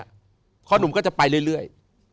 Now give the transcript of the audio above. เพราะหนุ่มก็จะไปเรื่อย